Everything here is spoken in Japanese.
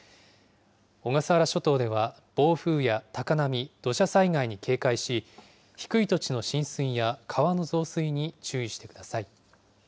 小笠原諸島では暴風や高波、土砂災害に警戒し、低い土地の浸水や川の増水に注意してください。